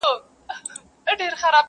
کتاب د سړیتوب دي په معنا ویلی نه دی,